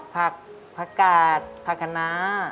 พักกาดพักกนะ